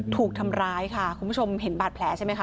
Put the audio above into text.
ถูกทำร้ายค่ะคุณผู้ชมเห็นบาดแผลใช่ไหมคะ